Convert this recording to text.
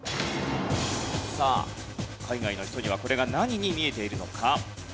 さあ海外の人にはこれが何に見えているのか？